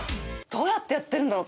どうやってやってるんだろ？